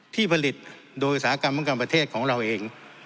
ที่ผลิตโดยอุตสาหกรรมป้องกันประเทศของเราเอง